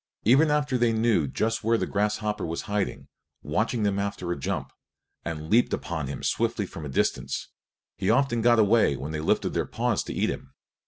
Even after they knew just where the grasshopper was hiding, watching them after a jump, and leaped upon him swiftly from a distance, he often got away when they lifted their paws to eat him.